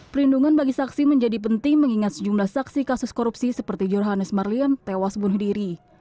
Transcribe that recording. perlindungan bagi saksi menjadi penting mengingat sejumlah saksi kasus korupsi seperti johannes marliem tewas bunuh diri